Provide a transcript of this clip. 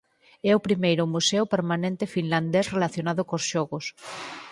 É o primeiro museo permanente finlandés relacionado cos xogos.